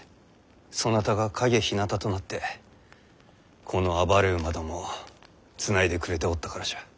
そなたが陰ひなたとなってこの暴れ馬どもをつないでくれておったからじゃ。